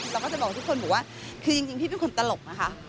เราก็จะบอกทุกคนบอกว่าคือจริงพี่เป็นคนตลกนะคะ